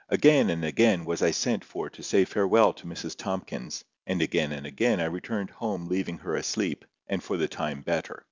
Again and again was I sent for to say farewell to Mrs Tomkins, and again and again I returned home leaying her asleep, and for the time better.